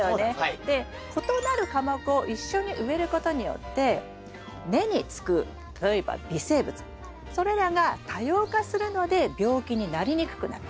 で異なる科目を一緒に植えることによって根につく例えば微生物それらが多様化するので病気になりにくくなる。